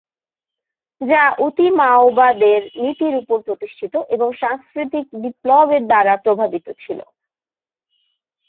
যা অতি-মাওবাদের নীতির উপর প্রতিষ্ঠিত এবং সাংস্কৃতিক বিপ্লবের দ্বারা প্রভাবিত ছিল।